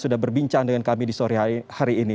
sudah berbincang dengan kami di sore hari ini